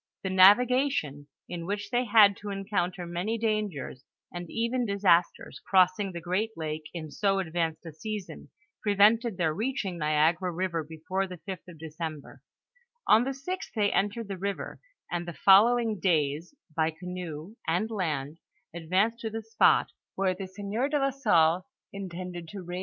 The navigation, in which they had to encounter many dangers and even disasters crossing the great lake in so ad vanced a season, prevented their reaching Niagara river be fore the 5th of December. On the sixth, they entered the river, and the following days, by canoe and land, advanced to the spot where the sieur de la Salle intended to raise a ;,■■■■■«' ■SlIJj^ I I'Ff: h,n*' n ;1 .\ 1 i !" Iri Hi' i ^i 1 ii'' 1 ^.